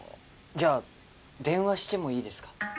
じゃあ電話してもいいですか？